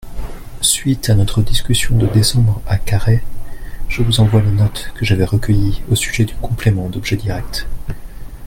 suite à notre discussion de décembre à Carhaix, je vous envoi les notes que j'avais recueillies au sujet du complément d'objet direct.